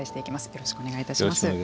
よろしくお願いします。